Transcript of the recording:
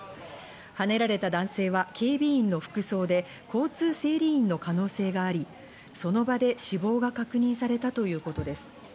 はねられた男性は警備員の服装で、交通整理員の可能性があり、その場で死亡が確認されたということです。